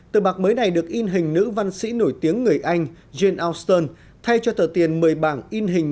tờ bạc mới này được in hình nữ văn sĩ nổi tiếng người anh jean auston thay cho tờ tiền một mươi bảng in hình